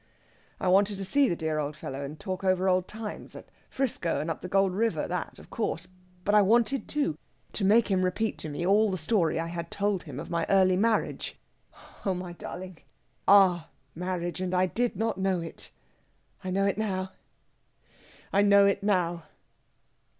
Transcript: "I wanted to see the dear old fellow and talk over old times, at 'Frisco and up at the Gold River that, of course! But I wanted, too, to make him repeat to me all the story I had told him of my early marriage oh, my darling! our marriage, and I did not know it! I know it now I know it now."